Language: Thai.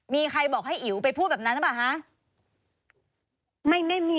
มีใครบอกให้อิ๋วไปพูดแบบนั้นหรือเปล่าคะ